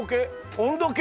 温度計！